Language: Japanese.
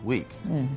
うん。